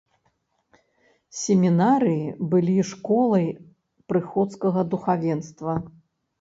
Семінарыі былі школай прыходскага духавенства.